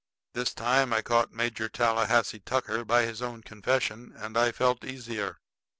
'" This time I caught Major Tallahassee Tucker by his own confession, and I felt easier.